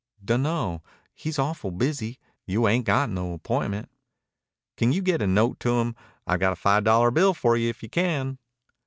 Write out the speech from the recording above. "Dunno. He's awful busy. You ain't got no appointment." "Can you get a note to him? I've got a five dollar bill for you if you can."